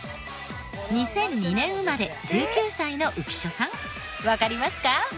２００２年生まれ１９歳の浮所さんわかりますか？